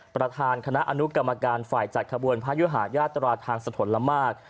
ประธานคณะอนุกรรมการฝ่ายจัดขบวนพระยุหายาตราทางสะทนละมาก